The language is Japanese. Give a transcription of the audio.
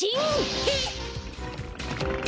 へっ！